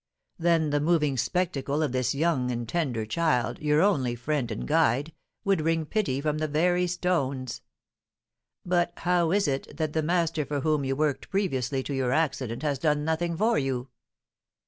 Then the moving spectacle of this young and tender child, your only friend and guide, would wring pity from the very stones. But how is it that the master for whom you worked previously to your accident has done nothing for you?"